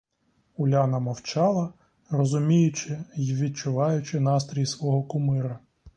Уляна мовчала, розуміючи й відчуваючи настрій свого кумира.